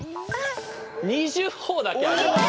２０ほぉだけあげます。